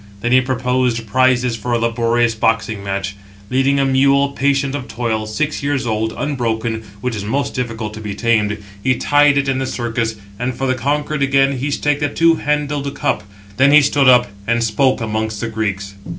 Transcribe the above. Then he proposed prizes for a laborious boxing match. 765 Leading a mule, patient of toil, six years old, unbroken, which is most difficult to be tamed, he tied it in the circus; and for the conquered again he staked a two handled cup: then he stood up, and spoke amongst the Greeks: Footnote 765: (return) Cf. Virg. Æn. v. 365.